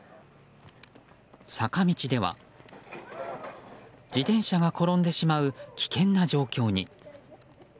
坂道では自転車が転んでしまう危険な状況に。